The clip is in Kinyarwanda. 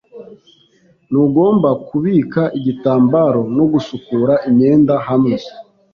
Ntugomba kubika igitambaro no gusukura imyenda hamwe.